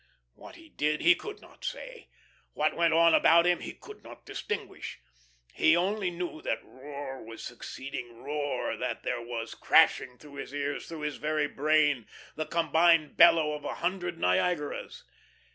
What he did, he could not say; what went on about him, he could not distinguish. He only knew that roar was succeeding roar, that there was crashing through his ears, through his very brain, the combined bellow of a hundred Niagaras.